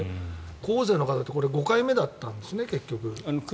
候補生の方ってこれ５回目だったんですね。